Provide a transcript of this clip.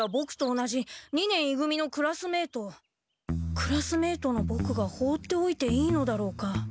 クラスメートのボクが放っておいていいのだろうか？